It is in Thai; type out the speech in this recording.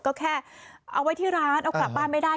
ก็แค่เอาไว้ที่ร้านเอากลับบ้านไม่ได้